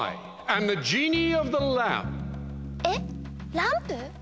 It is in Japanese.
ランプ？